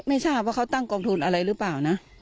ไม่ทราบว่าเขาตั้งกองทุนอะไรหรือเปล่านะ